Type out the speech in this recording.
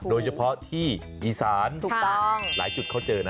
โดยเฉพาะที่อีสานหลายจุดเขาเจอนะ